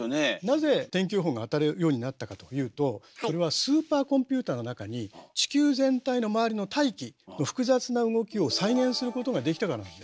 なぜ天気予報が当たるようになったかというとそれはスーパーコンピューターの中に地球全体の周りの大気の複雑な動きを再現することができたからなんです。